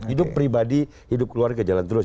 hidup pribadi hidup keluarga jalan terus